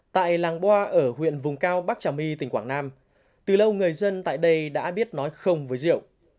tại làng boa ở huyện vùng cao bắc trà my tỉnh quảng nam từ lâu người dân tại đây đã biết nói không với rượu